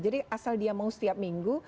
jadi asal dia mau setiap minggu